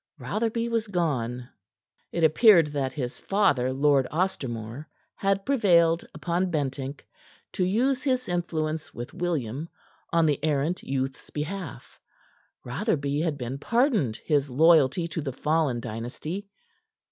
Rotherby was gone. It appeared that his father, Lord Ostermore, had prevailed upon Bentinck to use his influence with William on the errant youth's behalf. Rotherby had been pardoned his loyalty to the fallen dynasty.